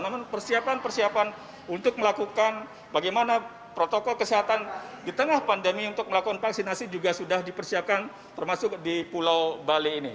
namun persiapan persiapan untuk melakukan bagaimana protokol kesehatan di tengah pandemi untuk melakukan vaksinasi juga sudah dipersiapkan termasuk di pulau bali ini